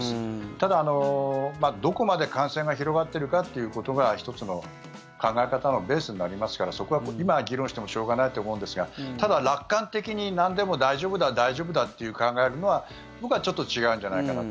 ただ、どこまで感染が広がっているかということが１つの考え方のベースになりますからそこは今、議論してもしょうがないと思うんですがただ、楽観的になんでも大丈夫だ大丈夫だって考えるのは僕はちょっと違うんじゃないかな。